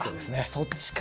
そっちか。